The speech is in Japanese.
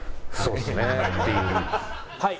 「はい。